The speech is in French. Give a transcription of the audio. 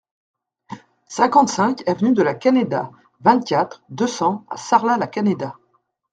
cinquante-cinq avenue de la Canéda, vingt-quatre, deux cents à Sarlat-la-Canéda